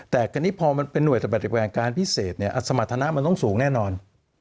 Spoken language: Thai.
แต่อันนี้พอมันเป็นหน่วยปฏิบัติการปัจฉการพิเศษเนี่ยอัศมรรถน้ำมันต้องสูงแน่นอน